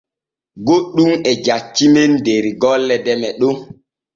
Goɗɗun e jaccimen der golle deme Ɗon.